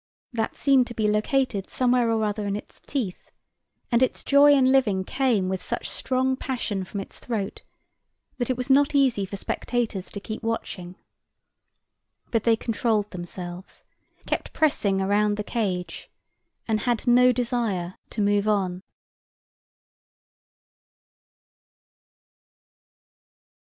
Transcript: That seem to be located somewhere or other in its teeth, and its joy in living came with such strong passion from its throat that it was not easy for spectators to keep watching. But they controlled themselves, kept pressing around the cage, and had no desire to move on.